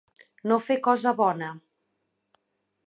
No fer cosa bona.